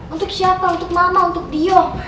untuk siapa untuk mama untuk dio